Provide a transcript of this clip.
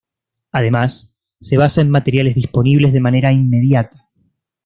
Además, se basa en materiales disponibles de manera inmediata.